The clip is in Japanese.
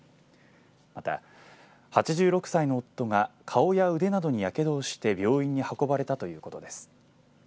また８６歳の夫が顔や腕などにやけどをして病院に運ばれたということです。